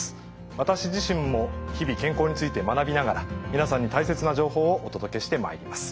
私自身も日々健康について学びながら皆さんに大切な情報をお届けしてまいります。